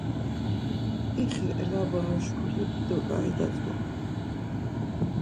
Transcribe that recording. İxi elabaru şkule dido ǩai datzonu.